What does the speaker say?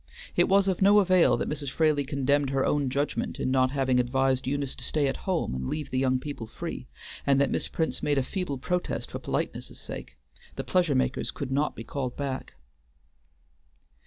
It was of no avail that Mrs. Fraley condemned her own judgment in not having advised Eunice to stay at home and leave the young people free, and that Miss Prince made a feeble protest for politeness' sake, the pleasure makers could not be called back.